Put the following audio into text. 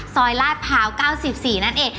ซอยลาดเผา๙๔นั้นเอง